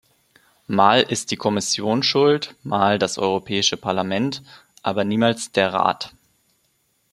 Mal ist die Kommission schuld, mal das Europäische Parlament, aber niemals der Rat!